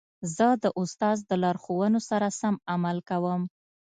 زه د استاد د لارښوونو سره سم عمل کوم.